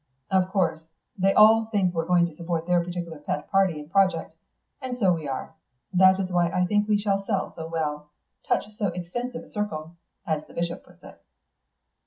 Of course they all think we're going to support their particular pet party and project. And so we are. That is why I think we shall sell so well touch so extensive a circle, as the bishop puts it."